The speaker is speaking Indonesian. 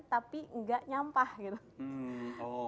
tapi gak nyampah gitu